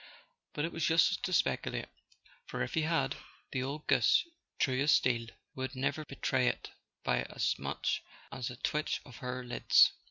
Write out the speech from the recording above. But it was useless to speculate, for if he had, the old goose, true as steel, would never betray it by as much as a twitch of her lids.